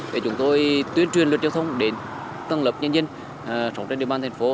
để chúng tôi tuyên truyền luật giao thông đến tầng lớp nhân dân sống trên địa bàn thành phố